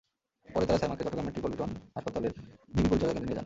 পরে তাঁরা সায়মাকে চট্টগ্রাম মেট্রোপলিটন হাসপাতালের নিবিড় পরিচর্যা কেন্দ্রে নিয়ে যান।